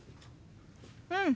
うん。